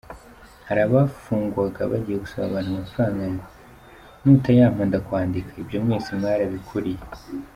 Hari abafungwaga bagiye gusaba abantu amafaranga ngo “ Nutayampa ndakwandika”, ibyo mwese mwarabikuriye.